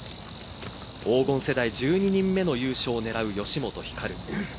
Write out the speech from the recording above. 黄金世代１０人目の優勝を狙う吉本ひかる。